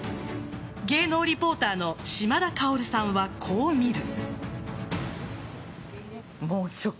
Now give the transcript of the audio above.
芸能リポーターの島田薫さんはこう見る。